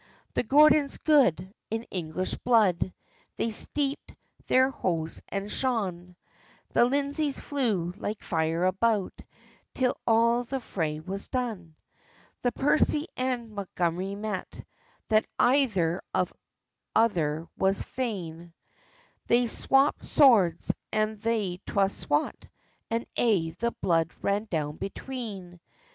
The Gordons good, in English blood, They steepd their hose and shoon; The Lindesays flew like fire about, Till all the fray was done. The Percy and Montgomery met, That either of other were fain; They swapped swords, and they twa swat, And aye the blood ran down between.